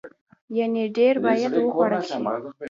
يعنې ډیر باید وخوړل شي.